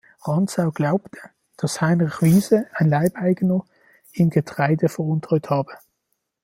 Rantzau glaubte, dass Heinrich Wiese, ein Leibeigener, ihm Getreide veruntreut habe.